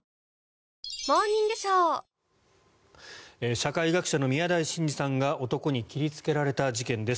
社会学者の宮台真司さんが男に切りつけられた事件です。